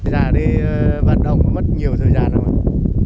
già đi vận động mất nhiều thời gian không ạ